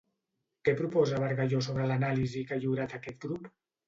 Què proposa Bargalló sobre l'anàlisi que ha lliurat aquest grup?